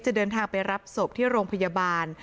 เดินทางไปรับศพที่โรงพยาบาล